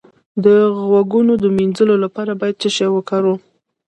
د غوږونو د مینځلو لپاره باید څه شی وکاروم؟